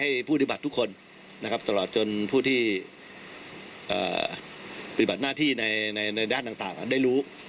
ให้ผู้ปฏิบัติทุกคนนะครับตลอดจนผู้ที่ปฏิบัติหน้าที่ในด้านต่างได้รู้